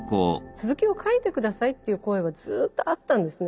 続きを書いて下さいっていう声はずっとあったんですね。